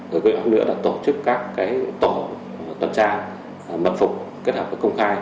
rồi cũng nữa là tổ chức các tổ tuần tra mật phục kết hợp với công khai